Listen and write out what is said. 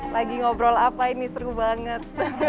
lagi ngobrol apa ini seru banget